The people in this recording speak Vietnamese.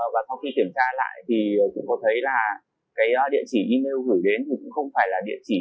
sau khi kiểm tra lại tôi có thấy là điện chỉ email gửi đến cũng không phải là điện chỉ email chính